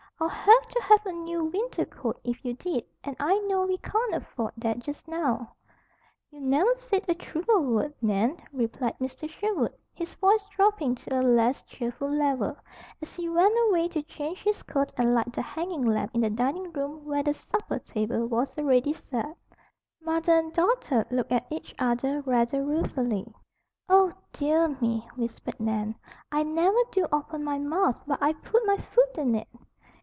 "I'd have to have a new winter coat if you did, and I know we can't afford that just now." "You never said a truer word, Nan," replied Mr. Sherwood, his voice dropping to a less cheerful level, as he went away to change his coat and light the hanging lamp in the dining room where the supper table was already set. Mother and daughter looked at each other rather ruefully. "Oh, dear me!" whispered Nan. "I never do open my mouth but I put my foot in it!"